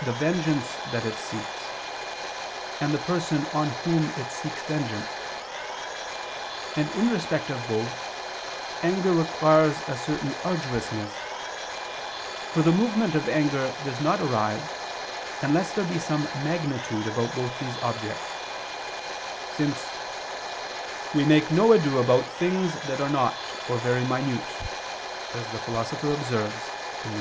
the vengeance that it seeks; and the person on whom it seeks vengeance; and in respect of both, anger requires a certain arduousness: for the movement of anger does not arise, unless there be some magnitude about both these objects; since "we make no ado about things that are naught or very minute," as the Philosopher observes (Rhet.